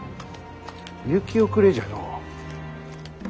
嫁き遅れじゃのう。